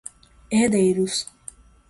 herdeiros